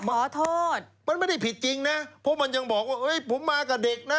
ขอโทษมันไม่ได้ผิดจริงนะเพราะมันยังบอกว่าเฮ้ยผมมากับเด็กนะ